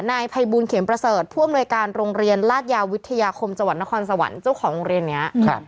นายภัยบูลเข็มประเสริฐผู้อำนวยการโรงเรียนราชยาวิทยาคมจังหวัดนครสวรรค์เจ้าของโรงเรียนนี้